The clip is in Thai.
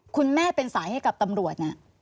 คุณแม่เป็นสายให้กับตำรวจเนี่ย